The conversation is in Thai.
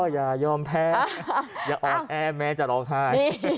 อย่ายอมแพ้อย่าอ่อนแอแม้จะร้องไห้